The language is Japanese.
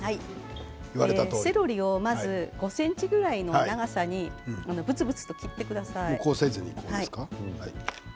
セロリを５ｃｍぐらいの長さにぶつぶつと切ってください。